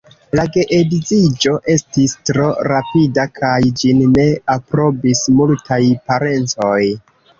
La geedziĝo estis tro rapida kaj ĝin ne aprobis multaj parencoj.